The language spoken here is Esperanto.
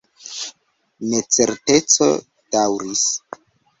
Necerteco daŭris.